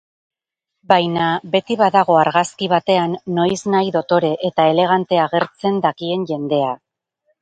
Baina beti badago argazki batean noiznahi dotore eta elegante agertzen dakien jendea.